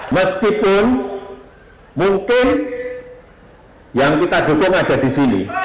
meskipun mungkin yang kita dukung ada di sini